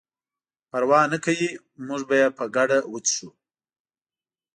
پروا نه کوي موږ به یې په ګډه وڅښو.